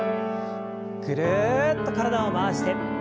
ぐるっと体を回して。